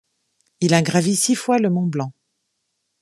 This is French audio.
Il a gravi six fois le Mont Blanc.